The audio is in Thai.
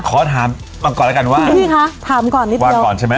ขอถามเอาก่อนแล้วกันว่าพี่พี่คะถามก่อนนิดเดียววางก่อนใช่ไหม